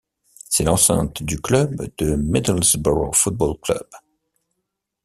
C'est l'enceinte du club de Middlesbrough Football Club.